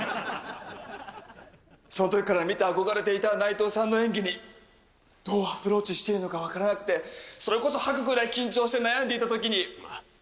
そのときから見て憧れていた内藤さんの演技にどうアプローチしていいのか分からなくてそれこそ吐くぐらい緊張して悩んでいたときに。